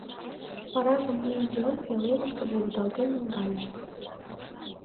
Варажым мыйым Леон пӧлемышкыже вӱдалтен наҥгайышт.